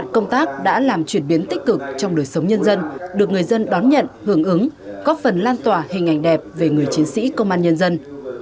công tác đã làm chuyển biến tích cực trong đời sống nhân dân được người dân đón nhận hưởng ứng góp phần lan tỏa hình ảnh đẹp về người chiến sĩ công an nhân dân